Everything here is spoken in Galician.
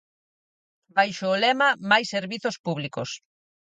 Baixo o lema "Máis servizos públicos".